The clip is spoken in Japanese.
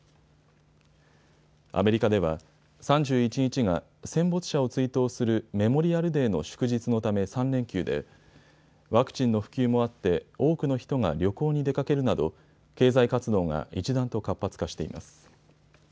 アメリカでは３１日が戦没者を追悼するメモリアルデーの祝日のため３連休でワクチンの普及もあって多くの人が旅行に出かけるなど経済活動が一段と活発化しています。